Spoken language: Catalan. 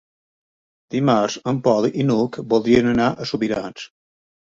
Dimarts en Pol i n'Hug voldrien anar a Subirats.